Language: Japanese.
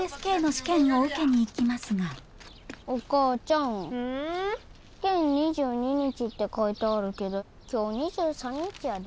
試験２２日って書いてあるけど今日２３日やで。